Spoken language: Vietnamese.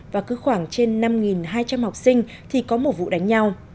và cứ khoảng trên năm hai trăm linh học sinh thì có một vụ đánh nhau